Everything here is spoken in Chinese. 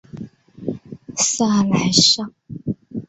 萨莱尚。